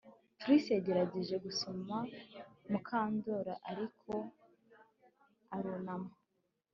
Trix yagerageje gusoma Mukandoli ariko arunama